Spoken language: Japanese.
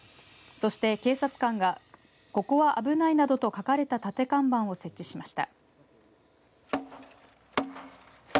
そして警察官がここはあぶないなどと書かれた立て看板を設置しました。